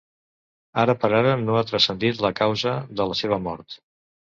Ara per ara no ha transcendit la causat de la seva mort.